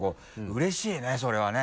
うれしいねそれはね。